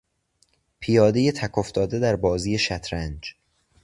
پیادهی تک افتاده در بازی شطرنج